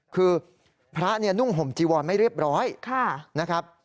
คือพระเนี่ยนุ่งห่มจีวอนไม่เรียบร้อยนะครับ